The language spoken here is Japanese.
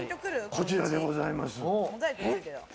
こちらでございます。